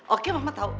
oke mama tau